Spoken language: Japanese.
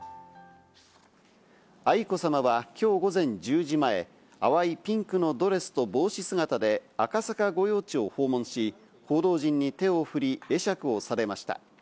愛子さまは、きょう午前１０時前、淡いピンクのドレスと帽子姿で赤坂御用地を訪問し、報道陣に手をふり、会釈をされました。